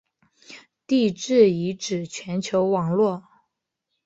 地质遗址全球网络。